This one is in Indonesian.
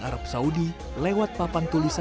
sambil puasa juga sambil melaksanakan umrah juga